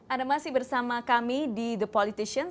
anda masih bersama kami di the politician